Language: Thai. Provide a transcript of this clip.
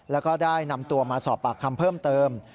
แล้วก็ได้นำตัวมาสอบปากคำเพิ่มเติม